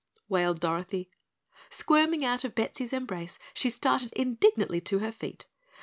wailed Dorothy. Squirming out of Bettsy's embrace, she started indignantly to her feet.